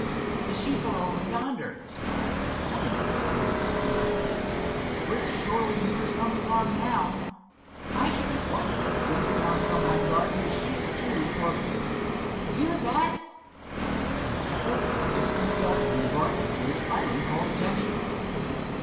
"The sheep are over yonder," said Hiram, pointing to a corner of the field. "We're surely near some farm now. I shouldn't wonder if we found some one guarding the sheep, too, for—hear that!" It was the echo of distant yelping and barking to which Hiram called attention.